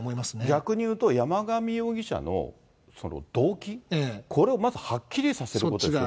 逆に言うと山上容疑者の動機、これをまずはっきりさせることでそっちが。